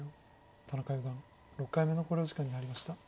田中四段６回目の考慮時間に入りました。